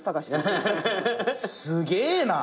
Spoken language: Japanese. すげえな！